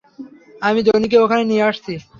আমি জনিকে ওখানে নিয়ে আসছি।